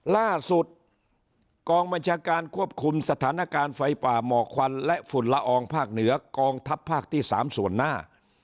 ล่าสุดกองบัญชาการควบคุมสถานการณ์ไฟป่าหมอกควันและฝุ่นละอองภาคเหนือกองทัพภาคที่๓ส่วนหน้า